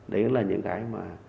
đấy là những cái mà